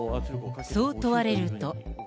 そう問われると。